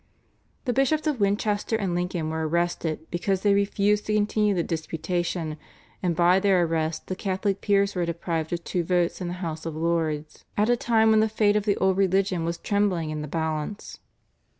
The Bishops of Winchester and Lincoln were arrested because they refused to continue the disputation, and by their arrest the Catholic peers were deprived of two votes in the House of Lords at a time when the fate of the old religion was trembling in the balance.